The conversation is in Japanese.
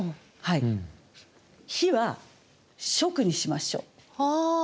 「火」は「燭」にしましょう。